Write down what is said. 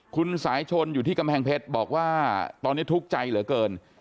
คุณสายชนอยู่ที่กำแพงเพชรบอกว่าตอนนี้ทุกข์ใจเหลือเกิน